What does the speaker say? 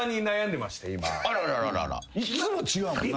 いつも違うもんな。